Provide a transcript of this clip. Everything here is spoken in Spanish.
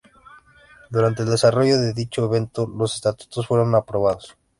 Durante el desarrollo de dicho evento, los estatutos fueron aprobados.